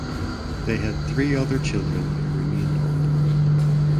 They had three other children who remained on the land.